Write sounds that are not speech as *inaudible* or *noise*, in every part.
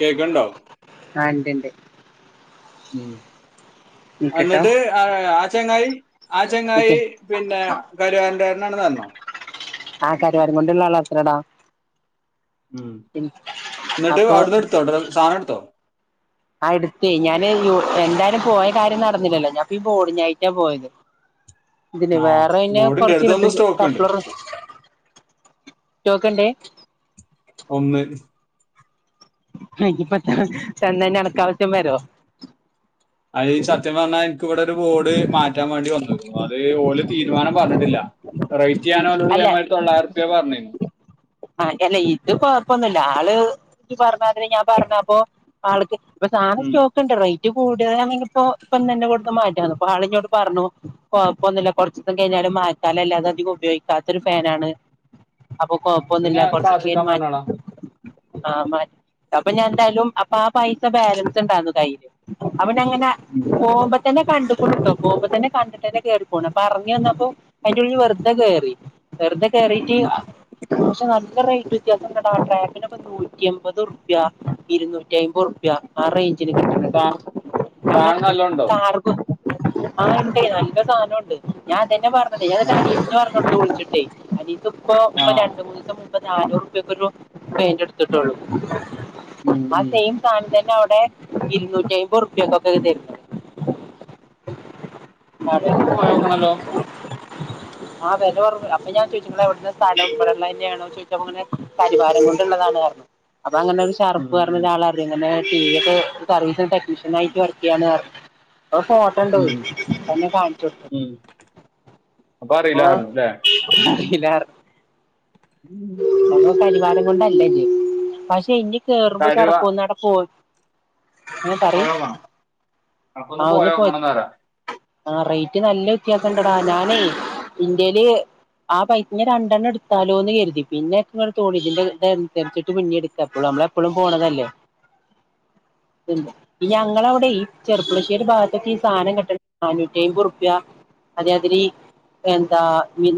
കേക്ണ്ടാ ആ ണ്ട് ണ്ട് ഉ നിക്ക്ട്ടോ എന്നിട്ട് ആ ആ ചെങ്ങായി ആ ചങ്ങായി നിക്ക് പിന്നെ കരുവാരകുണ്ടേരന് ണെന്ന് പറഞ്ഞോ ആ കരുവാരകുണ്ടുള്ള ആളാത്രേടാ ഉം എന്നിട്ട് അപ്പൊ അവിടുന്ന് എടുത്തോ സാധനം എടുത്തോ ആ എടുത്തേ ഞാന് യു എന്തായാലും പോയ കാര്യം നടന്നില്ലല്ലോ ഞാൻപ്പ ഇ ബോർഡ്ഞ്ഞായിട്ടാ പോയത് ഇതിന്ന് ആ വേറെ കഴിഞ്ഞ ബോർഡിന്റെ കൊറച്ച് അടുത്ത് ഒന്ന് ഇലക്ട്രിക് സ്റ്റോക്ക് ഉണ്ട് കപ്പ്ളർ സ്റ്റോക്ണ്ട്‌ ഒന്ന് അയിന്ന്നപ്പത്താ ചെന്ന നടകാവ്റ്റം വരോ അഈ സത്യം പറഞ്ഞാൽ എനിക്ക് ഇവിടെ ഒരു ബോർഡ് മാറ്റാൻ വേണ്ടി വന്നത് അത് ഓല് തീരുമാനം പറഞ്ഞിട്ടില്ല റൈറ്റ് ഞാനോലോട് ഇതേമാതിരി തൊള്ളായിരം റുപ്യ പറഞ് ആഹ അല്ല ഇത് കൊഴപ്പൊന്നുമില്ല ആള് ഇച്ച് പറഞ്ഞമാതി ഞാൻ പറഞ്ഞപ്പൊ ആൾക്ക് ഇപ്പൊ സാധന ഉം. സ്റ്റോ ക്കുണ്ട് റേറ്റ് കൂടിയതനെങ്കിൽ പ്പോ ഇപ്പന്നന്നെ കൊടുത്ത് മാറ്റാന്നു അപ്പ ആളിനോട് പറഞ്ഞു കൊഴപോന്നില്ല കുറചിസം കഴിഞ്ഞാലും മാറ്റാലലേ അത് അധികം ഉപയോഗിക്കാത്തൊ ഒരു ഫനാണ് അപ്പൊ കൊഴൊപ്പന്നില്ല പിന്നെ കൊറചീസം ക്ലാസ്സിക്കാൻ കഴിഞ്ഞിട്ട് മാറ്റി പറഞ്ഞോളാം ആ മാറ്റ് അപ്പൊ ഞാൻ എന്തായാലും അപ്പൊ ആ പൈസ ബാലൻസ് ഉണ്ടാന്ന് കയ്യില് അപ്പോഞാങ്ങനെ ഉം. പോകുമ്പ തന്നെ കണ്ടുക്കോണ് ട്ടോ പോക്മ്പോ തന്നെ കണ്ടിട്ട് തന്നെ കേറിപോണത് പറഞ് വന്നപ്പോ അതിന്റെഉള്ളിൽ വെറുതെ കേയറി വെറുതെ കേയറിറ്റ് അ റേറ്റ് വ്യത്യാസണ്ടടാ ട്രാക്കിനോക്കെ നൂറ്റിഅമ്പത്റുപ്യ ഇരുന്നൂറ്റി അയ്മ്പത് റുപ്യാ ആറൈറ്റ്ന് കിട്ടുന്നുണ്ട് സാധനം നല്ല ഉണ്ടോ *unintelligible* ആഹ ഉണ്ടേ നല്ല സാധനുണ്ട് ഞാൻ തന്നെ പറഞ്ഞത് ഞാ ആ. ക പറഞ്ഞ വിളിച്ചിട്ടേയ് അതിക്ക്പ്പോ ആ രണ്ട്മൂന്നീസംമുമ്പ് നാനൂർപ്യാ ക്കൊരു പാന്റ്ട്ത് കിട്ടോള് ഉം. ആ ഉം. സെയിം തന്നെ അവിടെ ഇരുന്നൂറ്റി അമ്പത്റപക്കൊക്കെ ത *unintelligible* ഒന്ന് പോയ ക്കണല്ലോ ആഹ വില കുറവ് അപ്പൊ ഞാൻ ചോദിച്ചിട്ട എവിടുന്ന സാരി എടുത്തെ ള്ളതന്നെണോ ചോയ്ചപ്പോങ്ങനെ കരുവാരകുണ്ടുള്ളതാണ്റഞ്ഞു അപ്പൊ അങ്ങനെ ഉം. ഉം. ഒരുഷാർപ്പ്പറഞ്ഞഒരാളെ ങ്ങനെ ടിവി ക്കെ സർവീസ് ടെക്നീഷ്യൻ ആയി്ട്ട് വർക്കിയാണ് പറഞ്ഞു അത് ഫോട്ടണ്ട് ഉം. എന്നെ കാണിച്ച ടുത്ത് ഉം. അപ്പൊ അറീലാറഞ്ഞുലേ അറിയില്ല ഉം അ കരുവാരകുണ്ടല്ല ഇജ്ജ് പക്ഷെ ഇനി കേറുമ്പോ കരുവ ചെറുപ്പന്നടപോയി ആ പറയിം പോയോക്കണം അനക്കൊന്ന് ആ ഒന്ന് പോയ് പോയോക്കണം എന്ന് പറയാം ആ റേറ്റ് നല്ല വ്യത്യാസംണ്ടടാ ഞാനേ ഇന്റെല് ആ പൈസ് നിരണ്ടെണ്ണം എടുത്താലോ എന്ന് കരുതി പിന്നെക്ക്ങ്ങട്തോന്നി ഇതിന്റെത് അനുസരിച്ചിട്ട് പിന്നീട്ക്കാപ്പളും നമ്മള എപ്പളും പോണതല്ലേ ഉം ഞങ്ങളവിടെ ഈ ചെറപ്പളശ്ശേരി ഭാഗത്തക്ക് ഈ സാധനം കിട്ട നാനൂറ്റി അമ്പത് റുപ്യ അതെ അതിലി എന്താ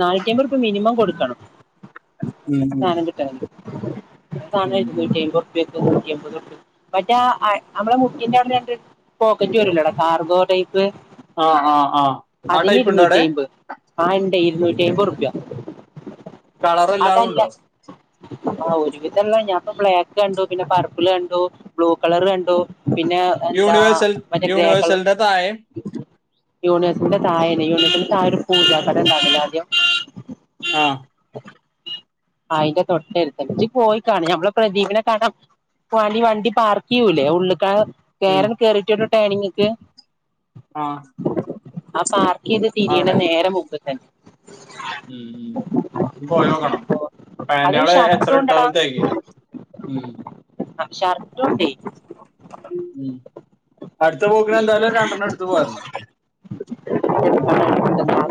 നാനൂറ്റി അമ്പത്‌ മിനിമം കൊടു ക്കണം സാധനം കിട്ടാനിട്ട് സധം ഇരുന്നൂറ്റി അയിമ്പത് ഉറുപ്പേക്കും തൊണ്ണൂറ്റിഅയിമ്പത് ഉറുപ്പേക്കും മറ്റേ ആ നമ്മളെ മുക്കിന്റെ അവിടെണ്ട് പോക്കറ്റ് വരില്ലടാ കാർഗോ ടൈപ്പ് ആ ആ ആ ആ അതിന് ടൈപ്പ് ഉണ്ടോ ഇരുന്നൂറ്റി അവിടെ ഐമ്പ് ആഹ് ഇണ്ടേ ഇരുന്നൂറ്റി അയിമ്പത് ഉറുപ്യ കളർ എല്ലാം അതല്ല ഉണ്ടോ ആ ഒരു വിധള്ള ഞപ്പ ബ്ലാക്ക് കണ്ടു പിന്നെ പർപ്പിൾ കണ്ടു ബ്ലൂ കളറ് കണ്ടു പിന്നെ എന്താ യൂണിവേഴ്സൽ മറ്റെ ഗ്രേ കളറ് യൂണിവേഴ്സലിന്റെ താഴെ യുണിവേഴ്സലിന്റ താഴല് *unintelligible* ആഹ് ആഹ് അയിന്റെ തൊട്ടട്ത്തന്നെ ജ്ജ് പോയിക്കാണ് നമ്മള് പ്രദീപിനെ കാണാം പോണി വണ്ടി പാർക്ക് ചെയൂലേ ഉള്ളിക്കാ ഉം കേരൻ കേറിട്ടട്ടോ ടേനിങ്ങ്ക്കെ ആ ആ പാർ ഇത് തിരിണ അവിടെ നേരെ മുമ്പ് തന്നെ ഉം ആണോ *unintelligible* എക്സറ എടുത്താലും തെകയില്ല ആ ഷർട്ടുണ്ടേ *unintelligible* അട്ത്ത പോക്കിന് എന്തായാലും ഒര് രണ്ടെണ്ണം ഇട്ത്ത് പോരണം *unintelligible* ഓൻ പർഞ്ഞൊട്ക്കും *unintelligible*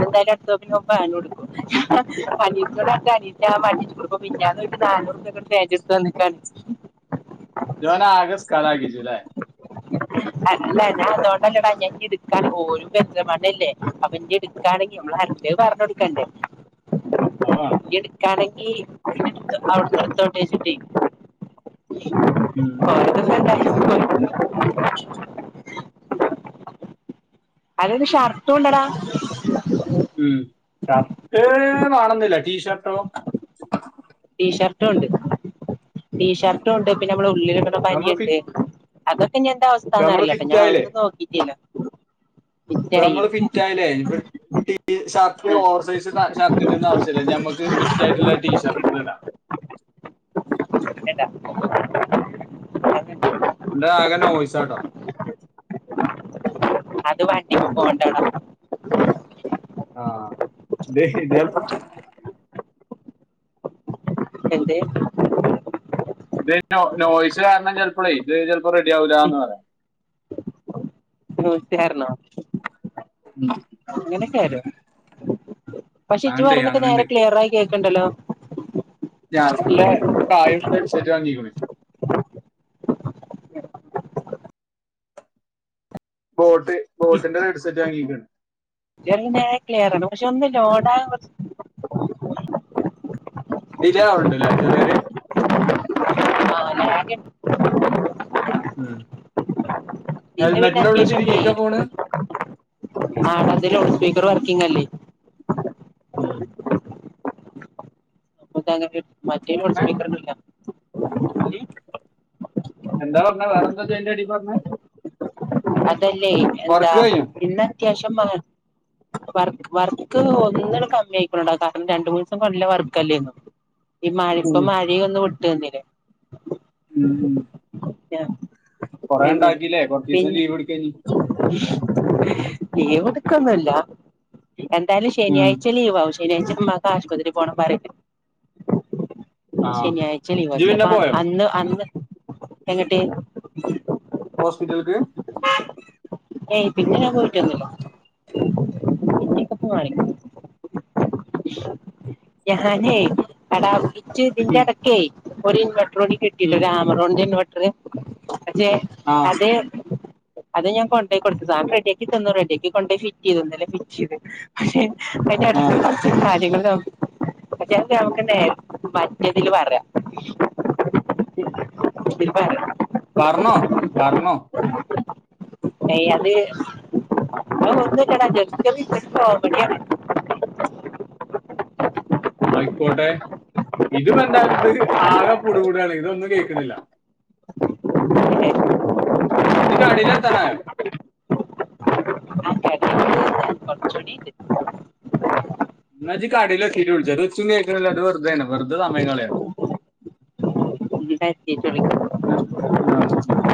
മിഞ്ഞാന്ന് പോയിറ്റ് നാനൂറ് റുപ്യക്ക് ഒരു പേന്റ് ട്ത്ത് വന്ന്ക്കാണ് ജോന ആഗസ് കളാകി ച്ചുലെ അല്ല ഞാൻ അതോണ്ടല്ല ഇടാഞ്ഞെ ഞക്ക് ഇടുക്കാൻ *unintelligible* അവൻ ന്റെ ക്കാണെങ്കി *unintelligible* ന്റെ പർഞ്ഞൊട്ക്കണ്ടേ ആ ഓ ഞ്ഞ് ട്ക്കാണെങ്കി അവ്ട്ന്ന്‌ ട്തോട്ടെ ച്ച്ട്ടെയ് *inaudible* അതയ്ന് ഷർട്ടൂണ്ടടാ ഉം ഷർട്ട് വാണംന്നില്ല. ടീഷർട്ടോ *inaudible* ടീഷർട്ടുണ്ട് ടീഷർട്ടും ഉണ്ട് പിന്നെ നമ്മടെ ഉള്ളിൽ ഇടണ നമ്മൾ ബനിയൻ ഫിറ്റ് ഇല്ലെ അതൊക്കെ ഇനി എന്താ ഇപ്പ അവസ്ഥാന്ന് നമ്മള് അറിയില്ലട്ടോ ഫിറ്റ് ഞാൻ ആയില്ലേ ഒന്നും നോക്കിട്ടില്ല. ഇപ്പ നമ്മള് ഫിറ്റ് ആയീലെ. ഇഞ്ഞ്പ *unintelligible* ഷർട്ട് ഓവർ സൈസ് ഷ ഷർട്ടിന്റെ ഒന്നും ആവശ്യല്ല ഞമുക്ക് ഫിറ്റായിട്ടുള്ള ടീഷർട്ട് ഇട്ട് വരാം *unintelligible* *unintelligible* *unintelligible* ആകെ നോയിസ് ആട്ടോ അത് വണ്ടി പോണ്ടണോ ആഹ് *unintelligible* ശെരി എന്നാല് എന്തേ ഇത് നോ നോയിസ് കാരണം ചിലപ്പോളെ ഇത് ചിലപ്പോം റെഡി ആവില്ല എന്ന് പറയാം. *unintelligible* രുന്നോ അങ്ങനെയൊക്കെ ആലോ പക്ഷേ ഇജ്ജ് അങ്ങനുണ്ട് പറഞ്ഞിട്ട് നേരെ അങ്ങനുണ്ട് ക്ലിയർ ആയി കേക്കണ്ടല്ലോ. *unintelligible* ഹെഡ് സെറ്റ് വാങ്ങിക്ങ് ബോട്ട് ബോട്ടിന്റെ ഒര് ഹെഡ്സെറ്റ് വാങ്ങീക്ക്ണ് *unintelligible* ക്ലിയർആണ് പക്ഷെ ഒന്ന് ലോഡാവാൻ കൊറച്ച് ഡിലേ അവൻഡ്ല്ലേ ചെറിയൊരു *inaudible* ഇന്ന് പിന്നെ ഹെൽമെറ്റിന്റെ ഉള്ളിൽ അത്യവിഷം വെയിൽ തിരികെ ഫോണ് ആട അതി ലൗഡ് സ്പീക്കർ വർക്കിങ് അല്ലേ? ഉം *unintelligible* എന്താ പറഞ്ഞേ വേറെന്താ ജ്ജ് അതിന്റെ എടേപ്പറഞ്ഞേ അതല്ലേ എന്താ വർക്ക് ഇന്ന് അത്യാശം മാ വർക്ക് വർക്ക് ഒന്നൂടെ കമ്മി ആയിക്കുണ്ടാവും കാരണം രണ്ട് മൂന്ന് ദിവസം കൊണ്ടല്ല വർക്ക്ല്ലേരുന്നു. ഈ മാളി ഇപ്പൊ മഴ കഴിഞ്ഞു ഒന്നു വിട്ട് തന്നില്ലേ ഉം *unintelligible* കൊറെ എന്നിട്ട് ഉണ്ടാക്കില്ലേ കൊറച്ച് ദിസം പിന്നെ ലീവ്ടുക്ക ഇനി ലീവ് എടുക്കൊന്നല്ല. എന്തായാലും ഉം ശനിയാഴ്ച ലീവ് ആവും. *unintelligible* ആശുപത്രി പോണ *unintelligible* ആ ശനിയാഴ്ച ലീവാ ഇജ്ജ് പിന്നെ ചെലപ്പം പോയോ അ അന്ന് ചെന്നിട്ട് *unintelligible* ഹോസ്പിറ്റൽക്ക് ഏയ് പിന്നെ ഞാൻ പോയിട്ടൊന്നുല്ല പിന്നെ ഇപ്പം *unintelligible* ഞാനേ കട ച്ച് ഇതിന്റെ ഉം ഇടക്കേ ഒരു ഇൻവെട്രോണി കിട്ടിട്ട് ഉം ഒരു ആ *unintelligible* പക്ഷേ ആ അതെ അത് ഞാ കൊണ്ടോയി കൊടുത്ത താ *unintelligible* റെഡിയാക്കി തന്നു റെഡിയാക്കി കൊണ്ടോയി ഫിറ്റ് ചെയ്തു ഇന്നലെ ഫിറ്റ് ചെയ്ത് പക്ഷെ ആ അതിന്റടുത്ത് കുറച്ച് കാര്യങ്ങൾ നോക്കും. *unintelligible* *unintelligible* *inaudible* വറനോ വറനോ അയ് അത് അത് ഒന്നുല്ല്യടാ ജെസ്റ്റ് റിഫ്രഷ് കോമഡി ആയിക്കോട്ടെ ഇത് പൊ എന്തായാലും ഇതൊര് ആക പുടു പുടു ആണ്. ഇത് ഒന്നും കേകി ണില്ല. *unintelligible* ഇക്ക് അടില്ത്താനായോ? *unintelligible* എന്നാജി കടയില് എത്തീട്ട്‌ വിളിച്ചു അത് വെച്ചു കേക്കണ അത് വെറുതെയാണ് വെറുതെ സമയകളെയാണ്. ഉം, *unintelligible*